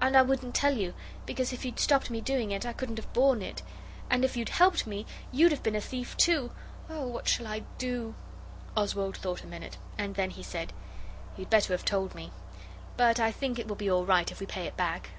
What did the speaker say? And I wouldn't tell you, because if you'd stopped me doing it I couldn't have borne it; and if you'd helped me you'd have been a thief too. Oh, what shall I do?' Oswald thought a minute, and then he said 'You'd better have told me. But I think it will be all right if we pay it back.